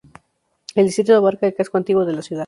El distrito abarca el casco antiguo de la ciudad.